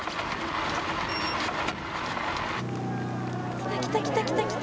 来た来た来た来た来た。